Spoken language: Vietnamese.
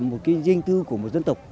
một cái riêng tư của một dân tộc